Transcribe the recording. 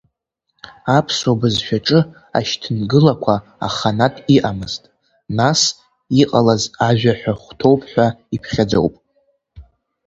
Аԥсуа бызшәаҿы ашьҭынгылақәа аханатә иҟамызт, нас иҟалаз ажәаҳәа хәҭоуп ҳәа иԥхьаӡоуп.